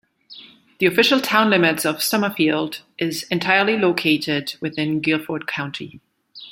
The official town limits of Summerfield is entirely located within Guilford County.